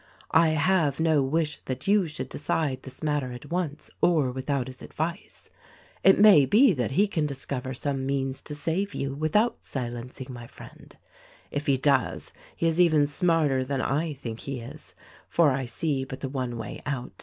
I have no wish that you should decide this matter at once or without his advice. It may be that he can discover some means to save you without silencing my friend ; if he does, he is even smarter than I think he is — for I see but the one way out.